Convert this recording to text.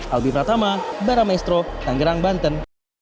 albi pratama barameestro tangerang banten